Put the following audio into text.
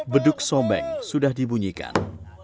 beduk sobang sudah dibunyikan